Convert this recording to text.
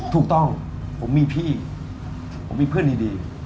ถูกต้องผมมีพี่ผมมีเพื่อนดี